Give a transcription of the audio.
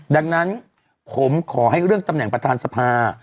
ดังนั้นผมขอให้เรื่องตำแหน่งประธานสภา